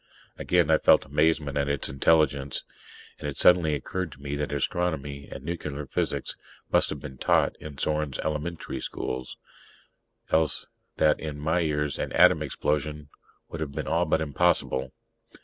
Again I felt amazement at its intelligence; (and it suddenly occurred to me that astronomy and nuclear physics must have been taught in Sorn's "elementary schools" else that my years and atom explosion would have been all but impossible).